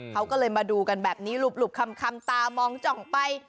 เขาก็เลยมาดูกันแบบนี้หลุบคำตามองจ่องไป